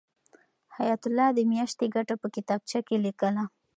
حیات الله د میاشتې ګټه په کتابچه کې لیکله.